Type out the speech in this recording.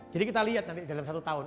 jadi kita lihat nanti dalam satu tahun